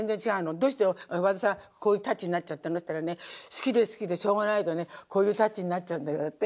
「どうして和田さんこういうタッチになっちゃったの？」って言ったらね「好きで好きでしょうがないとねこういうタッチになっちゃうんだよ」って。